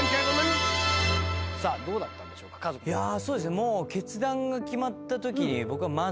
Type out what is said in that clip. もう決断が決まった時に僕はまず。